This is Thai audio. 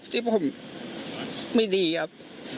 ที่ผมไม่ดีครับ